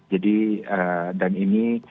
jadi dan ini